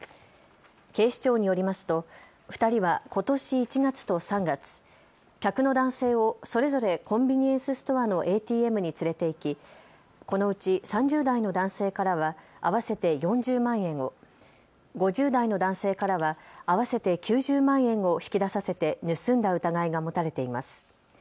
警視庁によりますと２人はことし１月と３月、客の男性をそれぞれコンビニエンスストアのＡＴＭに連れて行きこのうち３０代の男性からは合わせて４０万円を、５０代の男性からは合わせて９０万円を引き出させて盗んだ疑いが持たれています。